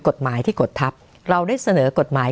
กฎหมายที่กฎทัพเราได้เสนอกฎหมาย